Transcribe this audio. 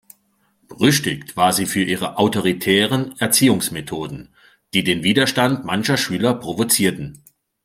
Berüchtigt war sie für ihre autoritären Erziehungsmethoden, die den Widerstand mancher Schüler provozierten.